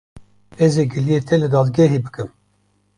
Ez ê giliyê te li dadgehê bikim.